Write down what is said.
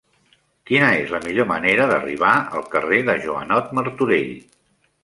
Quina és la millor manera d'arribar al carrer de Joanot Martorell?